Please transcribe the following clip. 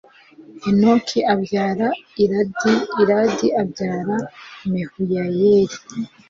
henoki abyara iradi iradi abyara mehuyayeli